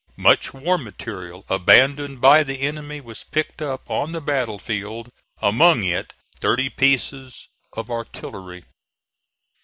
Much war material abandoned by the enemy was picked up on the battle field, among it thirty pieces of artillery.